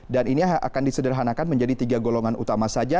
dan ini akan disederhanakan menjadi tiga golongan utama saja